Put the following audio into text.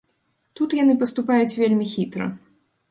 Тут яны паступаюць вельмі хітра.